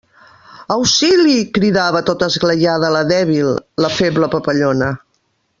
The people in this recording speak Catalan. Auxili! —cridava tota esglaiada la dèbil, la feble papallona.